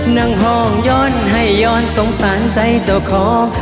นั่งห้องย้อนให้ย้อนสงสารใจเจ้าของ